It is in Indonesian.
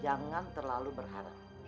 jangan terlalu berharap